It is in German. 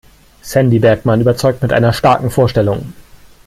Sandy Bergmann überzeugt mit einer starken Vorstellung.